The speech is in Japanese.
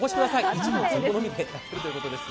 一部の店舗のみでやっているということです。